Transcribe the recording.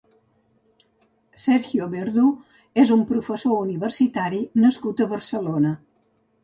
Sergio Verdú és un professor universitari nascut a Barcelona.